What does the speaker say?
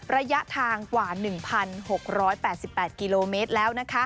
ระยะทางกว่า๑๖๘๘กิโลเมตรแล้ว